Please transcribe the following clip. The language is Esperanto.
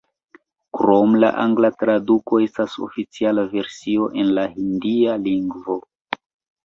Krom la angla traduko estas oficiala versio en la hindia lingvo.